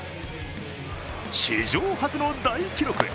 史上初の大記録へ。